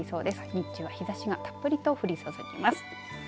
日中は日ざしがたっぷりと降り注ぎます。